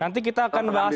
yang tidak mudah memang